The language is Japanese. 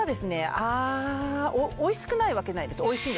あぁおいしくないわけないです。